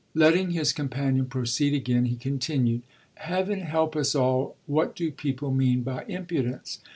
Letting his companion proceed again he continued: "Heaven help us all, what do people mean by impudence?